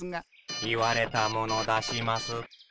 言われたもの出します。